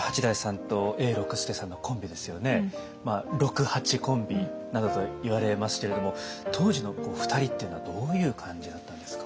六・八コンビなどと言われますけれども当時の２人っていうのはどういう感じだったんですか？